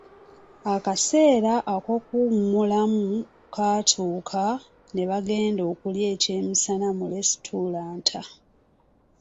Akaseera ak'okuwummulamu kaatuuka ne bagenda okulya ekyemisana mu lesitulanta.